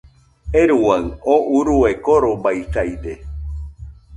¡Euruaɨ! oo urue korobaisaide